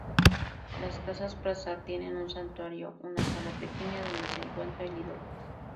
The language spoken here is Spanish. Las casas Prasat tienen un santuario, una sala pequeña donde se encuentra el ídolo.